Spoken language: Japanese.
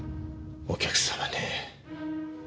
お客様ねえ